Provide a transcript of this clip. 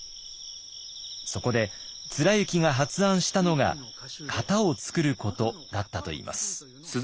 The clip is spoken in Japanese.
そこで貫之が発案したのが型を創ることだったといいます。